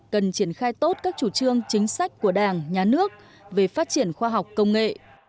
cần triển khai tốt các chủ trương chính sách của đảng nhà nước về phát triển khoa học công nghệ